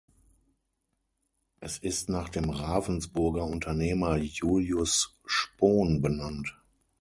Es ist nach dem Ravensburger Unternehmer Julius Spohn benannt.